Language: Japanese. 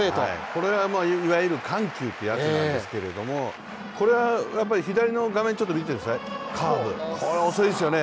これがいわゆる緩急っていうやつなんですけど、これは左の画面見ててください、カーブ、これは遅いですよね。